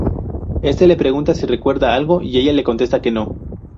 Este le pregunta si recuerda algo y ella le contesta que no.